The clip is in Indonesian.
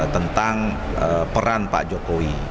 tentang peran pak jokowi